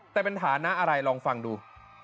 แต่เป็นฐานะอะไรลองฟังดู